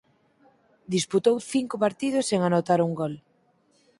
Disputou cinco partidos sen anotar un gol.